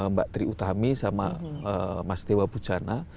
mbak tri utami sama mas dewa bucana